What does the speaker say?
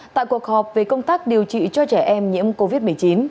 tại cuộc họp về công tác điều trị cho trẻ em nhiễm covid một mươi chín